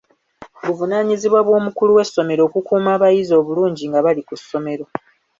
Buvunaanyizibwa bw'omukulu w'essomero okukuuma abayizi obulungi nga bali ku ssomero.